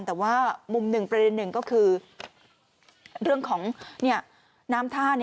แต่ว่ามุมหนึ่งประเด็นหนึ่งก็คือเรื่องของน้ำท่า